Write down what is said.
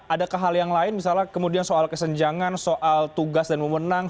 adakah hal yang lain misalnya kemudian soal kesenjangan soal tugas dan memenang